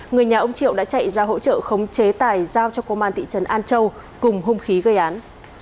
người nhà ông triệu đã chạy ra hỗ trợ khống chế tài giao cho công an thị trấn an châu cùng hung khí gây án